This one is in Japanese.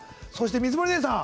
水森姉さん